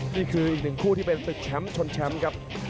นี่คืออีกหนึ่งคู่ที่เป็นศึกแชมป์ชนแชมป์ครับ